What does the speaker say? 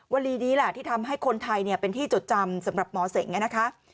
วลีนี้แหละที่ทำให้คนไทยเป็นที่จดจำสำหรับหมอเสงนะคะ